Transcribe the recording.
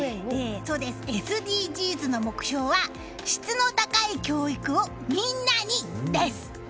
ＳＤＧｓの目標は「質の高い教育をみんなに」です。